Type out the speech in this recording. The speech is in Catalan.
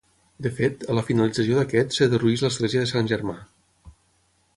De fet, a la finalització d'aquest, es derrueix l'església de Sant Germà.